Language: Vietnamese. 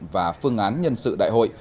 và phương án nhân sự đại hội